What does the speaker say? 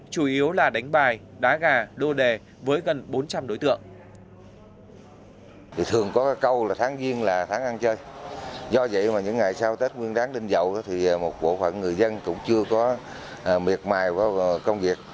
chủ yếu là đánh bài đá gà lô đề với gần bốn trăm linh đối tượng